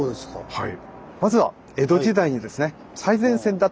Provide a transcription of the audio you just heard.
はい。